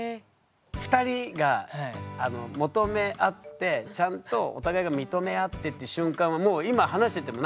２人が求め合ってちゃんとお互いが認め合ってって瞬間をもう今話しててもなんかね感じ取れますよね。